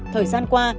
thời gian qua